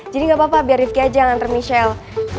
jadi gapapa biar rifki aja yang ngantar michelle